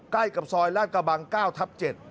ใกล้กับซอยลาดกระบัง๙ทับ๗